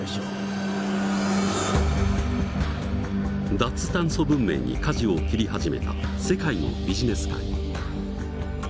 脱炭素文明に舵を切り始めた世界のビジネス界。